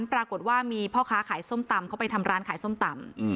ปรากฏว่ามีพ่อค้าขายส้มตำเขาไปทำร้านขายส้มตำ